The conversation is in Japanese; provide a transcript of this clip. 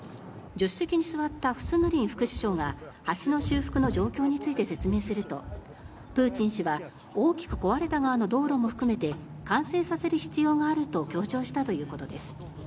助手席に座ったフスヌリン副首相が橋の修復の状況について説明するとプーチン氏は大きく壊れた側の道路も含めて完成させる必要があると強調したということです。